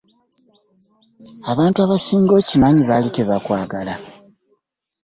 Abantu abasinga okimanyi baali tebakwagala.